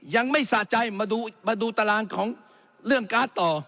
ยังไม่สะใจมาดูตารางของเรื่องการ์ดต่อ